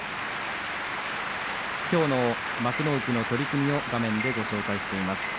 きょうの幕内の取組を画面でご紹介しています。